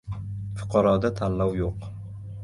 Fuqaroda tanlov yoʻq.